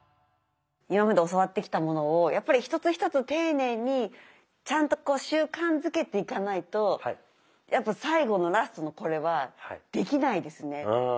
今まで教わってきたものをやっぱり一つ一つ丁寧にちゃんとこう習慣づけていかないとやっぱ最後のラストのこれはできないですね。